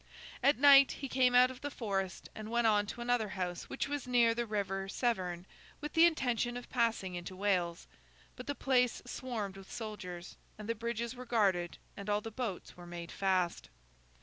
At night, he came out of the forest and went on to another house which was near the river Severn, with the intention of passing into Wales; but the place swarmed with soldiers, and the bridges were guarded, and all the boats were made fast.